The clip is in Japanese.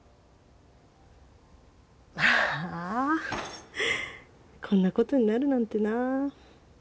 あぁあこんなことになるなんてな。